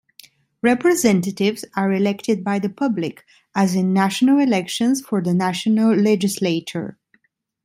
Representatives are elected by the public, as in national elections for the national legislature.